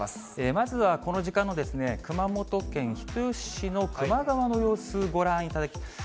まずはこの時間の熊本県人吉市の球磨川の様子、ご覧いただきます。